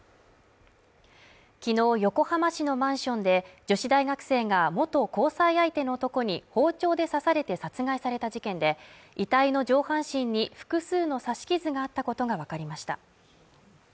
昨日横浜市のマンションで女子大学生が元交際相手の男に包丁で刺されて殺害された事件で、遺体の上半身に複数の刺し傷があったことがわかりました。